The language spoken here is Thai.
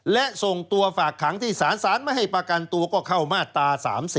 และส่งตัวฝากขังที่ศาลศาลไม่ให้ประกันตัวก็เข้ามาตรา๓๐